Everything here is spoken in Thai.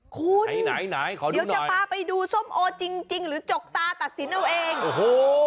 คุณไปไหนไหนเดี๋ยวจะพาไปดูส้มโอจริงจริงหรือจกตาตัดสินเอาเองโอ้โห